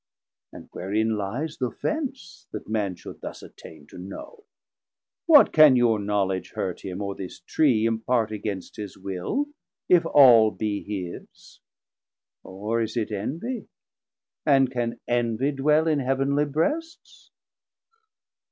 and wherein lies Th' offence, that Man should thus attain to know? What can your knowledge hurt him, or this Tree Impart against his will if all be his? Or is it envie, and can envie dwell In heav'nly brests?